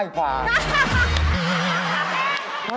อย่าอย่า